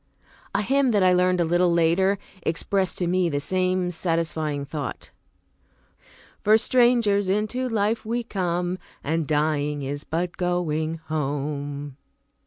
A hymn that I learned a little later expressed to me the same satisfying thought: "For strangers into life we come, And dying is but going home."